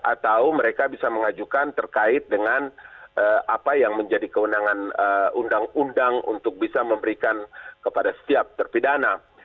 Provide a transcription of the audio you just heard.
atau mereka bisa mengajukan terkait dengan apa yang menjadi kewenangan undang undang untuk bisa memberikan kepada setiap terpidana